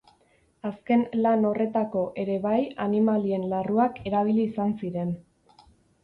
Azken lan horretako ere bai animalien larruak erabili izan ziren.